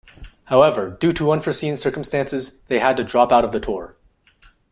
However, due to unforeseen circumstances they had to drop out of the tour.